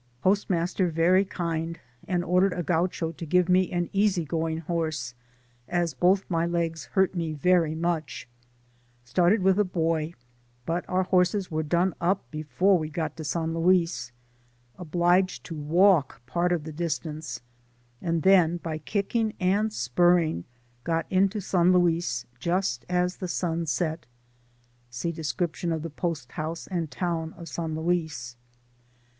Post master very kind, and ordered a Gaucho to give me an easy going horse, as both my legs hurt me very much ^started with a boy, but bur horses were done up before we got to San Luis — obliged to walk part of the diistance, and then by kicking and spurring got into San Luis just as the sun set.— (See description of the post house and town of San Luis.)